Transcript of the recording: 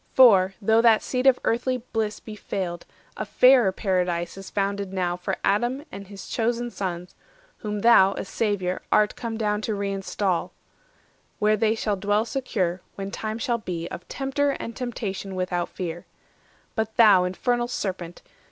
For, though that seat of earthly bliss be failed, A fairer Paradise is founded now For Adam and his chosen sons, whom thou, A Saviour, art come down to reinstall; Where they shall dwell secure, when time shall be, Of tempter and temptation without fear. But thou, Infernal Serpent!